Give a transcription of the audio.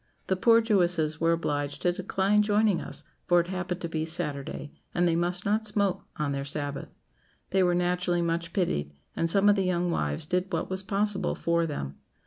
The poor Jewesses were obliged to decline joining us, for it happened to be Saturday, and they must not smoke on their Sabbath. They were naturally much pitied, and some of the young wives did what was possible for them.